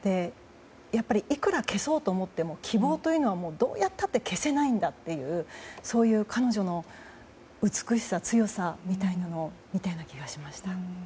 やっぱりいくら消そうと思っても希望というのはどうやったって消せないんだという、彼女の美しさ、強さみたいなものを見たような気がしました。